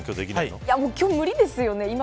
今日は無理ですよね。